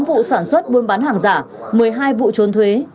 tám vụ sản xuất buôn bán hàng giả một mươi hai vụ trôn thuế